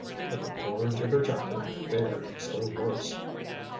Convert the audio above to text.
But the poor jibberjacker fared still worse."